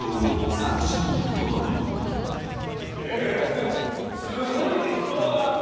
でもすごいね人が。